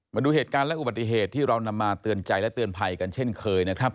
มาดูเหตุการณ์และอุบัติเหตุที่เรานำมาเตือนใจและเตือนภัยกันเช่นเคยนะครับ